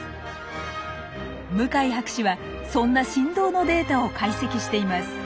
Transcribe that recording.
向井博士はそんな振動のデータを解析しています。